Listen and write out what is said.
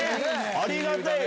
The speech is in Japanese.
ありがたいよ。